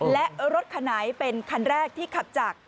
และรถคันไหนเป็นคันแรกที่ขับจาก